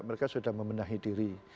mereka sudah memenahi diri